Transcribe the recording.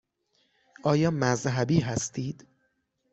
آیا مذهبی هستید؟